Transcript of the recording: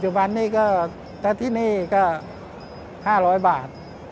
จุดบันนี้ก็จากที่นี่ก็๕๐๐บาท